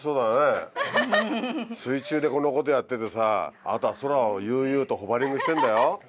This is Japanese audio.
水中でこんなことやっててさあとは空を悠々とホバリングしてんだよ。